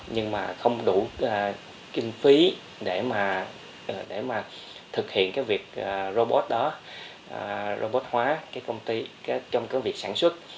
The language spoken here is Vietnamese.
nhưng mà không đủ kinh phí để mà thực hiện cái việc robot đó robot hóa trong cái việc sản xuất